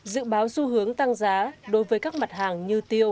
dự báo xu hướng tăng giá đối với các mặt hàng như tiêu